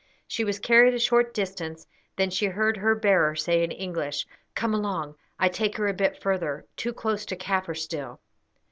She was carried a short distance, then she heard her bearer say in English: "Come along; I take her a bit further. Too close to Kaffir still."